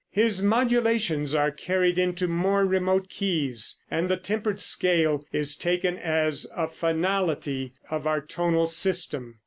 His modulations are carried into more remote keys, and the tempered scale is taken as a finality of our tonal system.